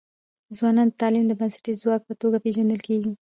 ځوانان د تعلیم د بنسټیز ځواک په توګه پېژندل کيږي.